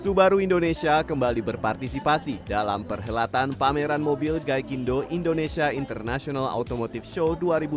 subaru indonesia kembali berpartisipasi dalam perhelatan pameran mobil gaikindo indonesia international automotive show dua ribu dua puluh